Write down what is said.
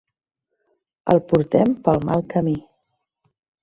El portem pel mal camí.